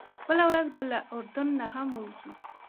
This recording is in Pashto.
بله ورځ به له اردن نه هم ووځو.